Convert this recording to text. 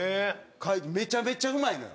めちゃめちゃうまいのよ。